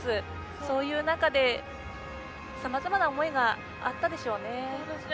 そういう中で、さまざまな思いがあったでしょうね。